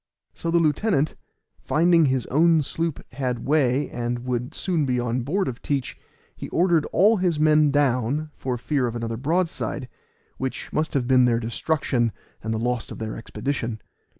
So the lieutenant, finding his own sloop had way and would soon be on board of Teach, he ordered all his men down, for fear of another broadside, which must have been their destruction and the loss of their expedition.